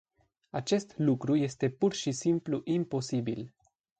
Acest lucru este pur și simplu imposibil.